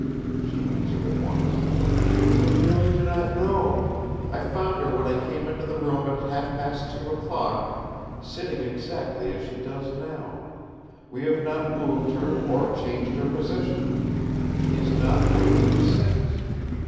She answered at once: "I really do not know. I found her when I came into the room at half past two o'clock, sitting exactly as she does now. We have not moved her, or changed her position. She has not wakened since.